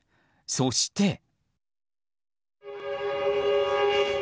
そして。